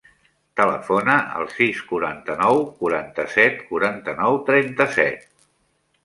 Telefona al sis, quaranta-nou, quaranta-set, quaranta-nou, trenta-set.